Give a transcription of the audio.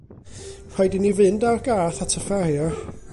Rhaid i ni fynd â'r gath at y ffariar.